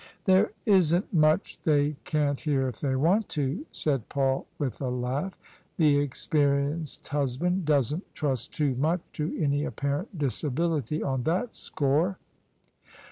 " There isn't much they can*t hear if they want to," said Paul with a laugh. "The experienced husband doesn't trust too much to any apparent disability on that score."